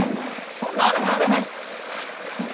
そんなんあらへんあらへん。